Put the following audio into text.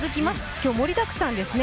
今日は盛りだくさんですね。